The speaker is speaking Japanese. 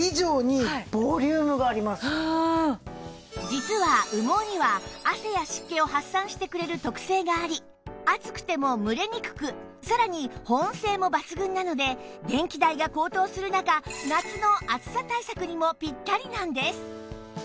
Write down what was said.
実は羽毛には汗や湿気を発散してくれる特性があり暑くても蒸れにくくさらに保温性も抜群なので電気代が高騰する中夏の暑さ対策にもピッタリなんです